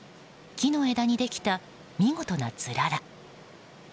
木の枝にできた見事なつらら。